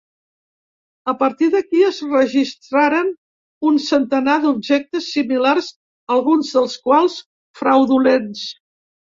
A partir d'aquí es registraren un centenar d'objectes similars, alguns dels quals fraudulents.